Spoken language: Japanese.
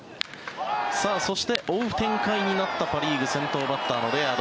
そして追う展開になったパ・リーグ先頭バッターのレアード。